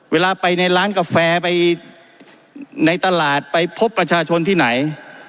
เวลาไปในร้านกาแฟไปในตลาดไปพบประชาชนที่ไหน